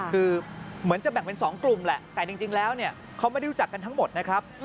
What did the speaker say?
คือเหมือนจะแบ่งเป็น๒กลุ่มแหละแต่จริงแล้วเนี่ยเขาไม่ได้รู้จักกันทั้งหมดนะครับ